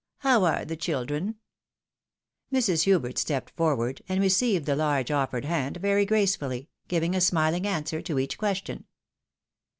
How are the children ?" Mrs. Hubert stepped forward, and received the large offered hand very gracefully, giving a smihng answer to each question.